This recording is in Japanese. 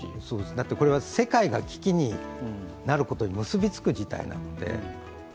だってこれは世界が危機になることに結びつく事態なので。